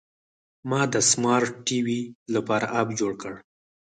ما د سمارټ ټي وي لپاره اپ جوړ کړ.